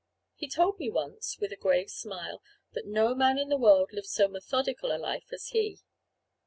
He told me once, with a grave smile, that no man in the world lived so methodical a life as he.